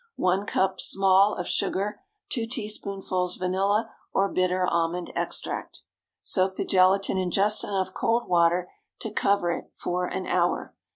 1 cup (small) of sugar. 2 teaspoonfuls vanilla or bitter almond extract. Soak the gelatine in just enough cold water to cover it, for an hour.